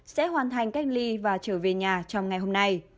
sẽ hoàn thành cách ly và trở về nhà trong ngày hôm nay